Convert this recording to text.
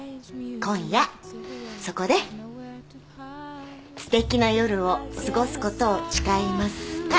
今夜そこですてきな夜を過ごすことを誓いますか？